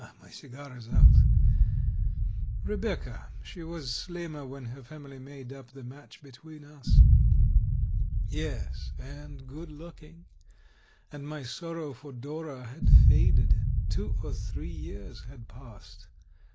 . My cigar is out. Rebecca: she was slimmer when her family made up the match between us. Yes, and good looking. And my sorrow for Dora had faded — two or three years had passed.